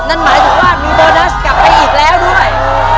นั่นหมายถึงว่ามีโบนัสกลับไปอีกแล้วด้วย